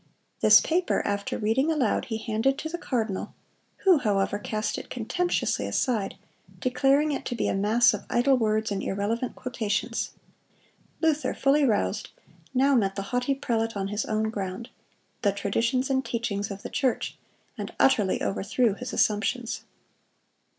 This paper, after reading aloud, he handed to the cardinal, who, however, cast it contemptuously aside, declaring it to be a mass of idle words and irrelevant quotations. Luther, fully roused, now met the haughty prelate on his own ground,—the traditions and teachings of the church,—and utterly overthrew his assumptions.